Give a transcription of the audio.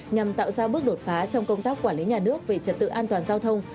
nhằm tạo ra bước đột phá trong công tác quản lý nhà nước về trật tự an toàn giao thông